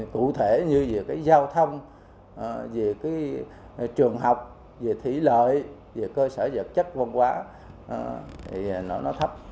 cụ thể như về cái giao thông về cái trường học về thủy lợi về cơ sở vật chất văn hóa thì nó thấp